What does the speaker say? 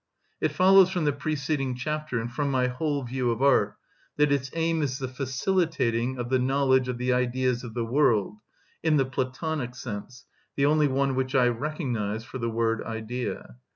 It follows from the preceding chapter, and from my whole view of art, that its aim is the facilitating of the knowledge of the Ideas of the world (in the Platonic sense, the only one which I recognise for the word Idea).